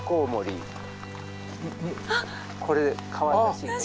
これかわいらしい。